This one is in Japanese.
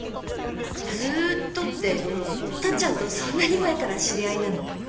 ずっとってタッちゃんとそんなに前から知り合いなの？